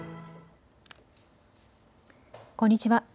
こんにちは。